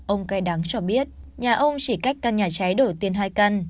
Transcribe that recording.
ông cay đắng cho biết nhà ông chỉ cách căn nhà cháy đổi tiền hai căn